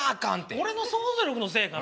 俺の想像力のせいかな？